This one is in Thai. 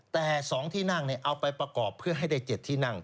แต่๒ที่นั่งเอาไปประกอบเพื่อให้ได้๗ที่นั่ง